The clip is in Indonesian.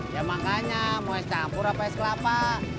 ya makannya mau es campur apa es kelapa